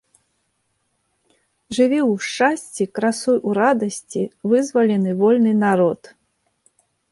Жыві ў шчасці, красуй у радасці, вызвалены, вольны народ!